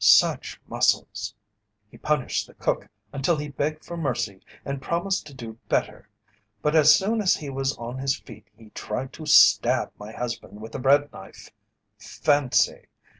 Such muscles! "He punished the cook until he begged for mercy and promised to do better. But as soon as he was on his feet he tried to stab my husband with a bread knife. Fancy!